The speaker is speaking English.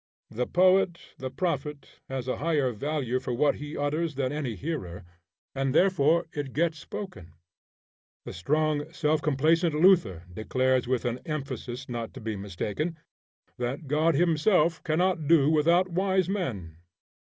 The poet, the prophet, has a higher value for what he utters than any hearer, and therefore it gets spoken. The strong, self complacent Luther declares with an emphasis not to be mistaken, that "God himself cannot do without wise men."